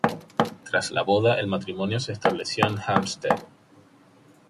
Tras la boda el matrimonio se estableció en Hampstead.